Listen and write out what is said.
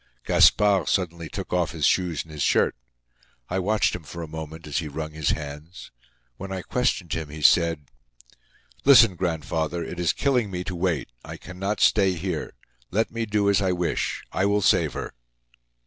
Gaspard suddenly took off his shoes and his shirt. I watched him for a moment as he wrung his hands. When I questioned him he said: "Listen, grandfather; it is killing me to wait. I cannot stay here. Let me do as I wish. I will save her."